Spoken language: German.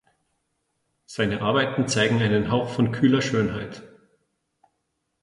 Seine Arbeiten zeigen einen Hauch von kühler Schönheit.